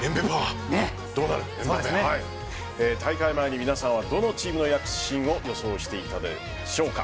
大会前に皆さんはどのチームの躍進を予想していたでしょうか。